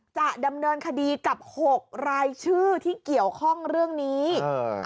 จะดำเนินคดีกับหกรายชื่อที่เกี่ยวข้องเรื่องนี้เออ